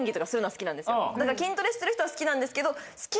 筋トレしてる人は好きなんですけど。